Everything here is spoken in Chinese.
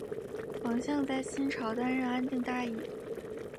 王向在新朝担任安定大尹。